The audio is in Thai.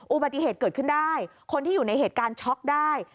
อุบัติเหตุเกิดขึ้นได้คนที่อยู่ในเหตุการณ์ช็อกได้